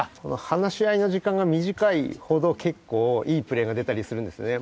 話し合いの時間が短いほど結構いいプレーが出たりするんですね